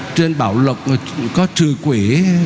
trên bảo lộc có trừ quỷ